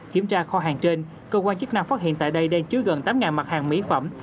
kiểm tra kho hàng trên cơ quan chức năng phát hiện tại đây đang chứa gần tám mặt hàng mỹ phẩm